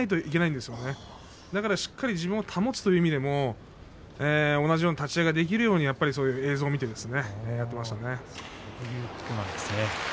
ですからしっかり自分を保つという意味でも同じような立ち合いができるように映像を見てやっていましたね。